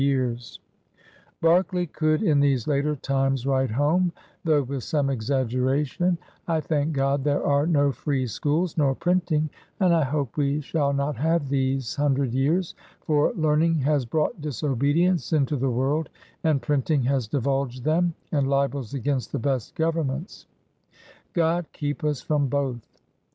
158 nONiSBS OF THE OLD SOUTH Berkeley could in these later times write home, though with some exaggeration: ^'I thank Grod there are no free schools nor printing, and I hope we shall not have these hundred years; for learning has brought disobedience into the world and print ing has divulged them, and libels against the best governments! Grod keep us from both!'